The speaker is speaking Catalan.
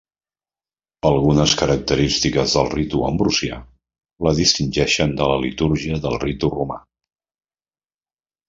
Algunes característiques del ritu Ambrosià la distingeixen de la litúrgia del Ritu romà.